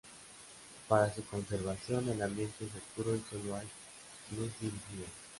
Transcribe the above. Para su conservación, el ambiente es oscuro y sólo hay luz dirigida.